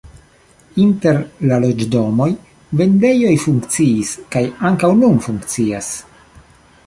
Inter la loĝdomoj vendejoj funkciis kaj ankaŭ nun funkcias.